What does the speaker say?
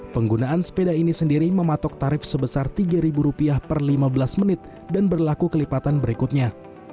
penggunaan sepeda ini sendiri mematok tarif sebesar rp tiga per lima belas menit dan berlaku kelipatan berikutnya